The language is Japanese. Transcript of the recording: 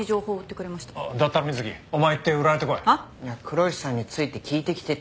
黒石さんについて聞いてきてって。